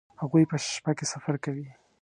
هغوی په شپه کې سفر کوي